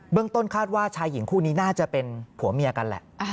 ต้นคาดว่าชายหญิงคู่นี้น่าจะเป็นผัวเมียกันแหละ